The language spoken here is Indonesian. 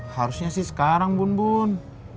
harusnya sih sekarang bun bun